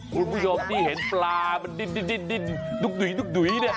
คุณผู้ชมที่เห็นปลามันดิ้นดุ๊กดุ้ยเนี่ย